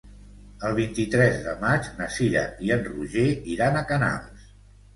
El vint-i-tres de maig na Cira i en Roger iran a Canals.